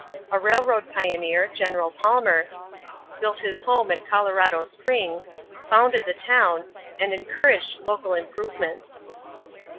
A railroad pioneer, General Palmer, built his home at Colorado Springs, founded the town, and encouraged local improvements.